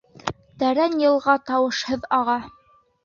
Тәрән йылға тауышһыҙ аға.